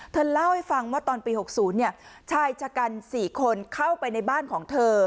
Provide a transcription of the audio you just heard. เธอเล่าให้ฟังว่าตอนปี๖๐ชายชะกัน๔คนเข้าไปในบ้านของเธอ